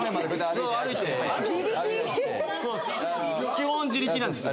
基本自力なんですよ。